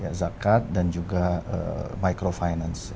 ya zakat dan juga micro finance